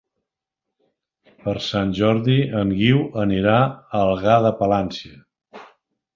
Per Sant Jordi en Guiu anirà a Algar de Palància.